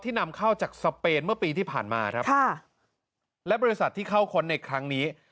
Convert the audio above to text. นำเข้าจากสเปนเมื่อปีที่ผ่านมาครับค่ะและบริษัทที่เข้าค้นในครั้งนี้